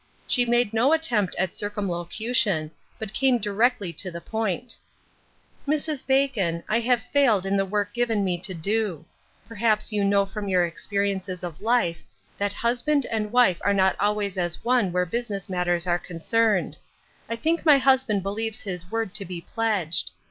She made no attempt at circumlocution, but came di rectly to the point :—" Mrs. Bacon, I have failed in the work given me to do ; perhaps you know from your experi ences of life that husband and wife are not always as one where business matters are concerned ; I think my husband believes his word to be pledged.